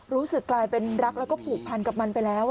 รู้สึกกลายเป็นรักแล้วก็ผูกพันกับมันไปแล้ว